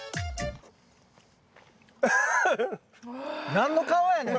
何の顔やねん。